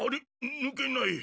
ぬけない。